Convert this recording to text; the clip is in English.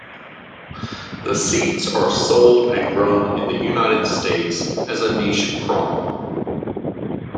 The seeds are sold and grown in the United States as a niche crop.